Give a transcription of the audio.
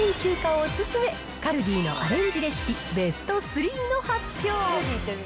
お勧め、カルディのアレンジレシピ、ベスト３の発表。